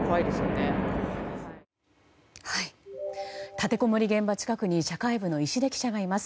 立てこもり現場近くに社会部の石出記者がいます。